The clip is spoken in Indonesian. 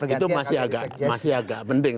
itu masih agak mending